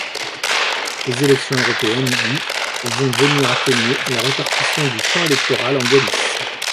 Les élections européennes du vont venir atténuer la répartition du champ électoral en Galice.